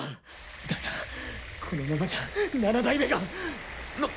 だがこのままじゃ七代目がなっ！？